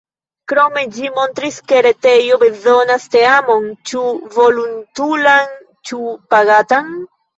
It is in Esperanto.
Krome ĝi montris, ke retejo bezonas teamon, ĉu volontulan ĉu pagatan.